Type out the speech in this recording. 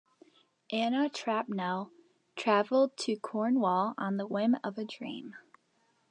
Anna Trapnell travelled to Cornwall on the whim of a dream.